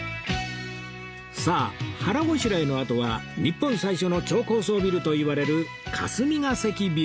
さあ腹ごしらえのあとは日本最初の超高層ビルと言われる霞が関ビルへ